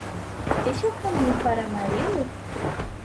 Este é o caminho para Amarillo?